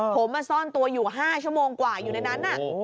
ผมมาซ่อนตัวอยู่๕ชั่วโมงกว่าอยู่ในนั้น